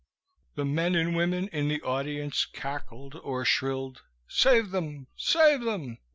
The men and women in the audience cackled or shrilled "Save them! Save them!"